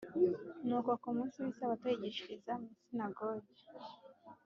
Nuko ku munsi w’isabato yigishiriza mu isinagogi